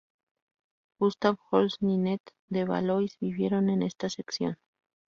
Gustav Holst y Ninette de Valois vivieron en esta sección.